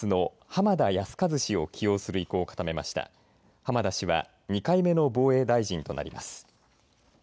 浜田氏は２回目の防衛大臣となります。